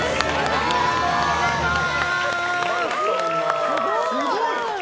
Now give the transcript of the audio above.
おめでとうございます！